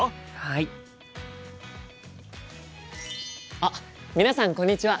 あっ皆さんこんにちは！